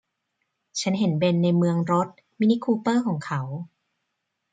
ฉันเห็นเบ็นในเมืองรถ มินิคูเปอร์ของเขา